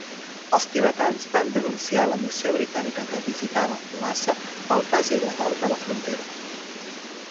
Els tibetans van denunciar a la missió britànica que visitava Lhasa pel pas il·legal de la frontera.